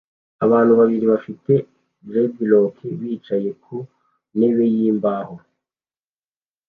Abantu babiri bafite dreadlock bicaye ku ntebe yimbaho